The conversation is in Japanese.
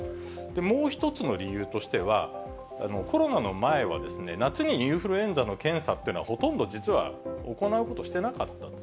もう一つの理由としては、コロナの前は夏にインフルエンザの検査というのは、ほとんど実は行うことしてなかったと。